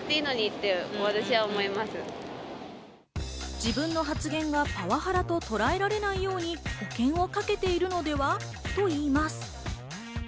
自分の発言がパワハラととらえられないように保険をかけているのでは？と言います。